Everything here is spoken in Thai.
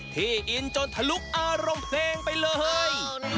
ที่อินจนทะลุอารมณ์เพลงไปเลย